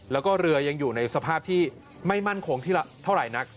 แล้วก็เรือยังอยู่ในสภาพที่ไม่มั่นคงที่ละเท่าไหร่นัก